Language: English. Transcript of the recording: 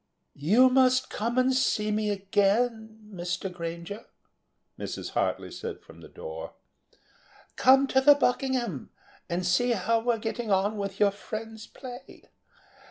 "You must come and see me again, Mr. Granger," Mrs. Hartly said from the door. "Come to the Buckingham and see how we're getting on with your friend's play.